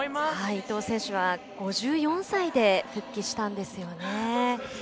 伊藤選手は５４歳で復帰したんですよね。